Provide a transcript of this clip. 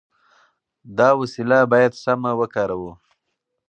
دا وسیله باید سمه وکاروو.